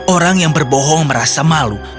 orang yang berbohong merasa malu